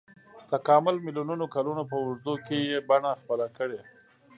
تکامل میلیونونو کلونو په اوږدو کې یې بڼه خپله کړې.